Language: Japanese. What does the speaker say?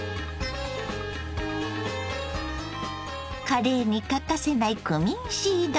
カレーに欠かせないクミンシード。